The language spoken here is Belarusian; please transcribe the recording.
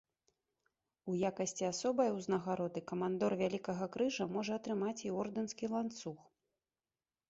У якасці асобай узнагароды камандор вялікага крыжа можа атрымаць і ордэнскі ланцуг.